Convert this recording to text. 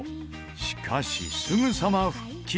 しかしすぐさま復帰！